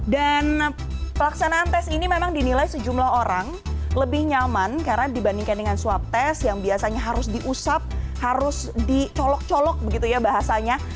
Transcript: dan pelaksanaan tes ini memang dinilai sejumlah orang lebih nyaman karena dibandingkan dengan swab test yang biasanya harus diusap harus dicolok colok begitu ya bahasanya